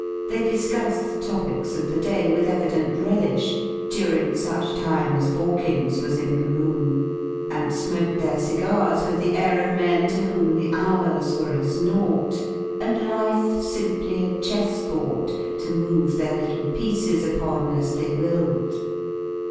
They discussed the topics of the day with evident relish during such time as Borkins was in the room, and smoked their cigars with the air of men to whom the hours were as naught, and life simply a chessboard to move their little pieces upon as they willed.